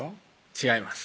違います